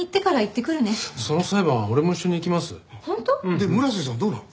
で村瀬さんはどうなの？